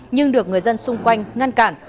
nhưng được người dân xung quanh ngăn cản